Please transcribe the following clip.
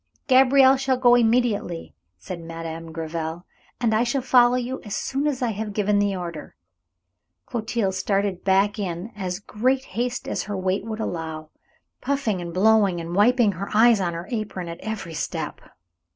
"Gabriel shall go immediately," said Madame Gréville, "and I shall follow you as soon as I have given the order." Clotilde started back in as great haste as her weight would allow, puffing and blowing and wiping her eyes on her apron at every step.